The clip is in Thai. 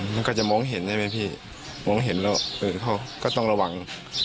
มันก็จะมองเห็นได้ไหมครับต้องระวัง